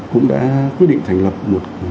cũng đã quyết định thành lập một